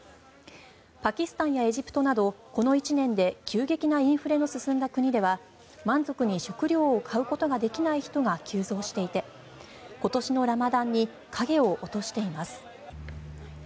パキスタンやエジプトなどこの１年で急激にインフレが進んだ国では満足に食料を買うことができない人が急増していて今年のラマダンに影を落としています。